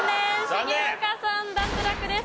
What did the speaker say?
重岡さん脱落です。